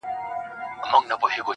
دي روح کي اغښل سوی دومره.